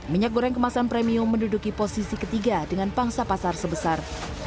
minyak goreng kemasan premium menduduki posisi ketiga dengan pangsa pasar sebesar